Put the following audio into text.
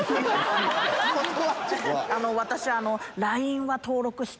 私。